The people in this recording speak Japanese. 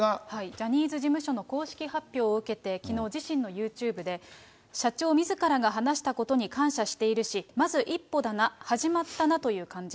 ジャニーズ事務所の公式発表を受けて、きのう、自身のユーチューブで、社長みずからが話したことに感謝しているし、まず一歩だな、始まったなという感じ。